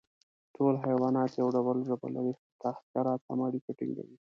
ټول حیوانات یو ډول ژبه لري، حتی حشرات هم اړیکه ټینګوي.